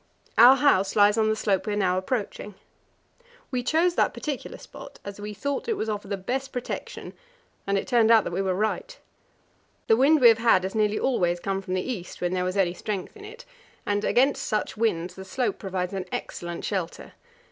Our house lies on the slope we are now approaching. We chose that particular spot, as we thought it would offer the best protection, and it turned out that we were right. The wind we have had has nearly always come from the east, when there was any strength in it, and against such winds the slope provides an excellent shelter.